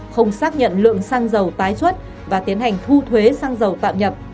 không xác nhận lượng xăng dầu tái xuất và tiến hành thu thuế xăng dầu tạm nhập